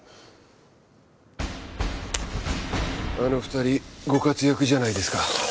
あの２人ご活躍じゃないですか。